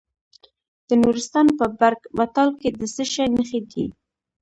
د نورستان په برګ مټال کې د څه شي نښې دي؟